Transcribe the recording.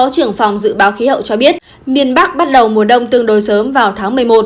trưởng phòng dự báo khí hậu cho biết miền bắc bắt đầu mùa đông tương đối sớm vào tháng một mươi một